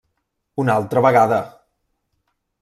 Una altra vegada!